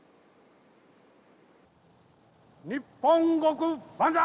日本国万歳！